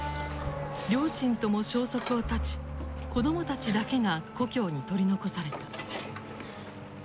両親とも消息を絶ち子どもたちだけが故郷に取り残された。